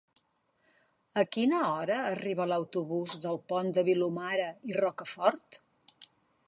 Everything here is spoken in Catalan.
A quina hora arriba l'autobús del Pont de Vilomara i Rocafort?